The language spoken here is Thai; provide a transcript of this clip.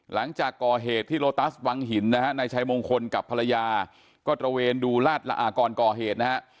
หลังจากก่อเหตุที่โลตัสวังหินนะฮะนายชัยมงคลกับภรรยาก็ตระเวนดูลาดละอาก่อนก่อเหตุนะฮะ